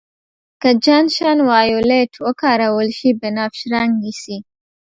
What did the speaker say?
که جنشن وایولېټ وکارول شي بنفش رنګ نیسي.